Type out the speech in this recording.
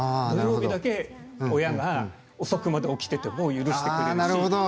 土曜日だけ親が遅くまで起きてても許してくれるし。